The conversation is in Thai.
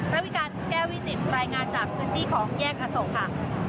ระวิการแก้ววิจิตรายงานจากพื้นที่ของแยกอโศกค่ะ